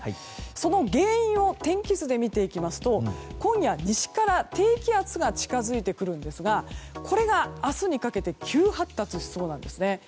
その原因を天気図で見ていきますと今夜、西から低気圧が近づいてくるんですがこれが明日にかけて急発達しそうなんですね。